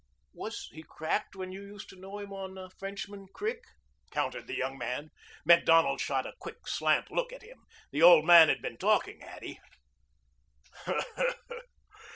"Was he cracked when you used to know him on Frenchman Creek?" countered the young man. Macdonald shot a quick, slant look at him. The old man had been talking, had he?